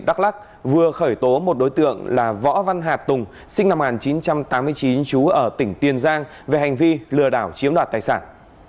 đắk lắc vừa khởi tố một đối tượng là võ văn hạt tùng sinh năm một nghìn chín trăm tám mươi chín chú ở tỉnh tiền giang về hành vi lừa đảo chiếm đoạt tài sản